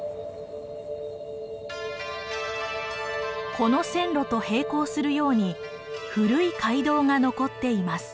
この線路と平行するように古い街道が残っています。